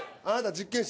実験室？